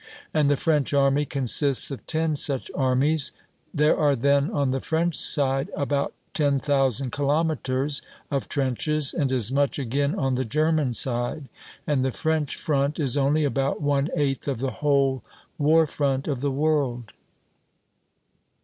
And the French Army consists of ten such armies. There are then, on the French side, about 10,000 kilometers [note 2] of trenches, and as much again on the German side. And the French front is only about one eighth of the whole war front of the world.